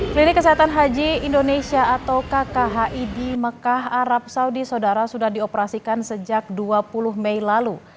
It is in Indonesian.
klinik kesehatan haji indonesia atau kkhi di mekah arab saudi saudara sudah dioperasikan sejak dua puluh mei lalu